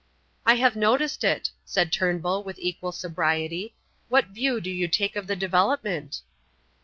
"I have noticed it," said Turnbull with equal sobriety. "What view do you take of the development?"